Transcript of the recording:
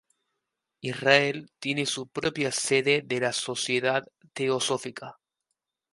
Israel tiene su propia sede de la Sociedad Teosófica.